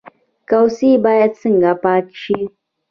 کوڅې باید څنګه پاکې شي؟